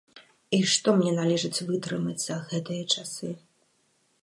І што мне належыць вытрымаць за гэтыя часы!